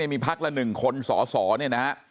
มีพักละ๑คนสสเนี่ยนะฮะ